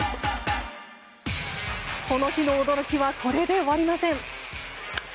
この日の驚きはこれで終わりません。